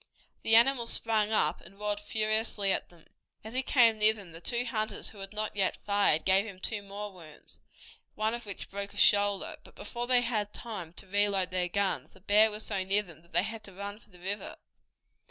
The animal sprang up and roared furiously at them. As he came near them the two hunters who had not yet fired gave him two more wounds, one of which broke a shoulder, but before they had time to reload their guns, the bear was so near them that they had to run for the river.